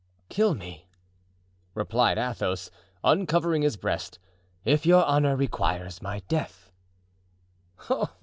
"Kill me!" replied Athos, uncovering his breast, "if your honor requires my death." "Oh!